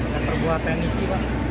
server buat teknisi pak